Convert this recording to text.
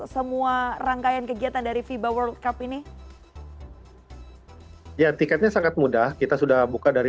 semua rangkaian kegiatan dari fiba world cup ini ya tiketnya sangat mudah kita sudah buka dari